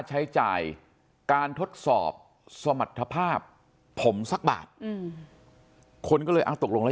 ใช้จ่ายการทดสอบสมรรถภาพผมสักบาทอืมคนก็เลยอ้าวตกลงแล้ว